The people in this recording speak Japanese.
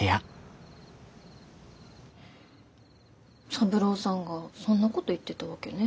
三郎さんがそんなこと言ってたわけね。